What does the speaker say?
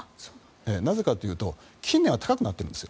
なぜかというと金利が高くなっているんです。